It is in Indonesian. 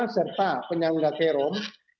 serta penyangga krom